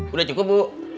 udah cukup bu